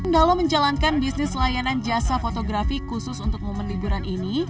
dalam menjalankan bisnis layanan jasa fotografi khusus untuk momen liburan ini